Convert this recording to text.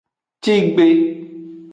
Tigbe.